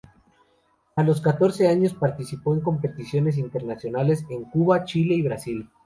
A los catorce años participó en competiciones internacionales en Cuba, Chile y Brasil.